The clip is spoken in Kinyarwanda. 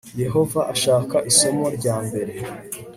yehova ashaka isomo rya mbere